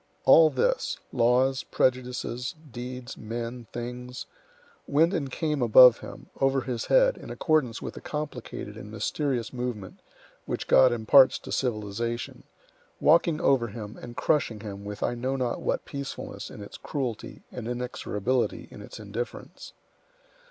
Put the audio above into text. All this—laws, prejudices, deeds, men, things—went and came above him, over his head, in accordance with the complicated and mysterious movement which God imparts to civilization, walking over him and crushing him with I know not what peacefulness in its cruelty and inexorability in its indifference.